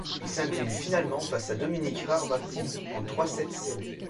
Il s'incline finalement face à Dominik Hrbatý en trois sets serrés.